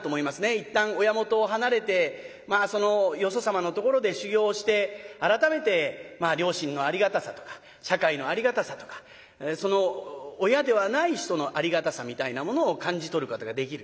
一旦親元を離れてまあそのよそ様のところで修業をして改めて両親のありがたさとか社会のありがたさとかその親ではない人のありがたさみたいなものを感じ取ることができる。